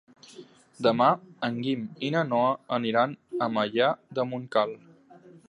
Demà en Guim i na Noa aniran a Maià de Montcal.